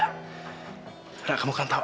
laura kamu kan tau